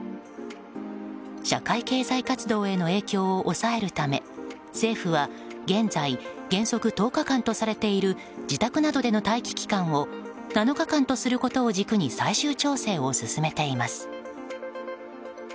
社会経済活動への影響を抑えるため政府は現在原則１０日間とされている自宅などでの待機期間を７日間とすることを軸に最終調整を進めています。